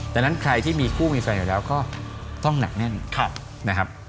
ดังนั้นใครที่มีคู่มีแฟนอยู่แล้วก็ต้องหนักแน่นนะครับ